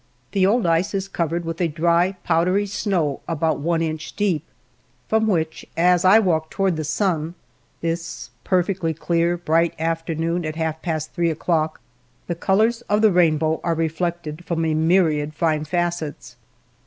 —The old ice is cov ered with a dry, powdery snow about one inch deep, from which as I walk toward the sun, this perfectly clear, bright afternoon at half past three o'clock, the colors of the rainbow are re flected from a myriad fine facets.